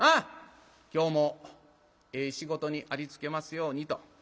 今日もええ仕事にありつけますようにと。